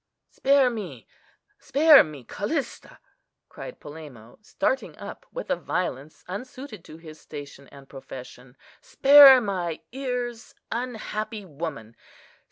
"Spare me! spare me, Callista!" cried Polemo, starting up with a violence unsuited to his station and profession. "Spare my ears, unhappy woman!